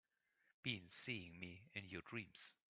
Been seeing me in your dreams?